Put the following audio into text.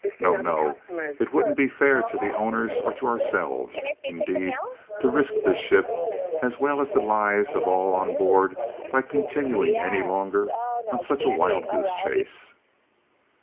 No, no; it wouldn't be fair to the owners or to ourselves, indeed, to risk the ship as well as the lives of all on board by continuing any longer on such a wild goose chase."